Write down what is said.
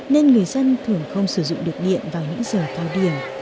nên người dân thường không sử dụng được điện vào những giờ cao điểm